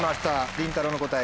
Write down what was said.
りんたろうの答え